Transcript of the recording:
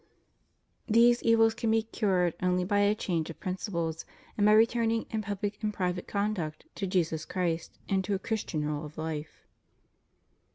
These evils can be cured only by a change of principles, and by returning in pubUc and private conduct to Jesus Christ and to a Christian rule of life.